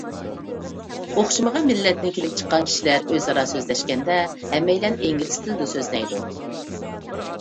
ئوخشىمىغان مىللەتتىن كېلىپ چىققان كىشىلەر ئۆزئارا سۆزلەشكەندە، ھەممەيلەن ئىنگلىز تىلىدا سۆزلەيدۇ.